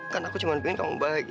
kan aku cuma ingin kamu bahagia ken